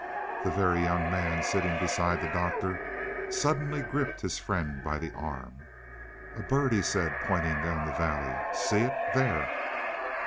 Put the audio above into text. The Very Young Man, sitting beside the Doctor, suddenly gripped his friend by the arm. "A bird," he said, pointing down the valley. "See it there?"